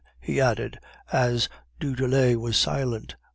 he added, as du Tillet was silent.